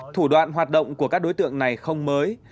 thủ đoạn hoạt động của các đối tượng này không mới